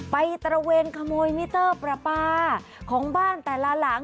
ตระเวนขโมยมิเตอร์ประปาของบ้านแต่ละหลัง